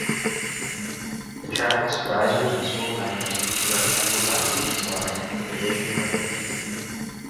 The tracks, risers and swivel mechanisms are assembled by Camslide, a division of Intier.